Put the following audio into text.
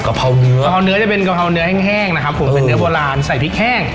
เพราเนื้อกะเพราเนื้อจะเป็นกะเพราเนื้อแห้งนะครับผมเป็นเนื้อโบราณใส่พริกแห้ง